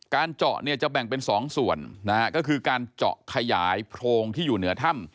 เจาะเนี่ยจะแบ่งเป็น๒ส่วนนะฮะก็คือการเจาะขยายโพรงที่อยู่เหนือถ้ำ